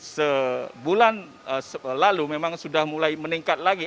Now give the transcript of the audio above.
sebulan lalu memang sudah mulai meningkat lagi